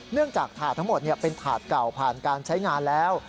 จากถาดทั้งหมดเป็นถาดเก่าผ่านการใช้งานแล้ว